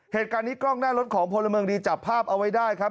เหตุการณ์นี้กล้องหน้ารถของพลเมืองดีจับภาพเอาไว้ได้ครับ